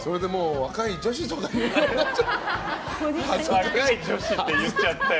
若い女子って言っちゃったよ。